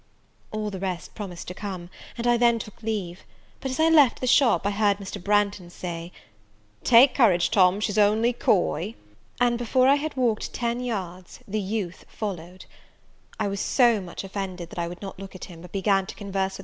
All the rest promised to come, and I then took leave; but, as I left the shop, I heard Mr. Branghton say, "Take courage, Tom, she's only coy." And, before I had walked ten yards, the youth followed. I was so much offended that I would not look at him, but began to converse with M.